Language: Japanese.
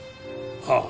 ああ。